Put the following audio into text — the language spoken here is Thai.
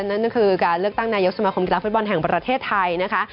นั่นก็คือการเลือกตั้งนายกสมาคมกีฬาฟุตบอลแห่งประเทศไทยนะคะ